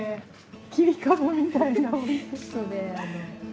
切り株みたいな。